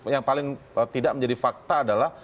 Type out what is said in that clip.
yang paling tidak menjadi fakta adalah